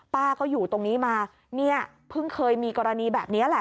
ป้าก็อยู่ตรงนี้มาเนี่ยเพิ่งเคยมีกรณีแบบนี้แหละ